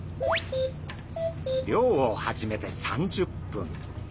漁を始めて３０分。